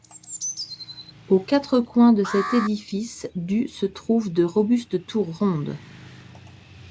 Aux quatre coins de cet édifice du se trouvent de robustes tours rondes.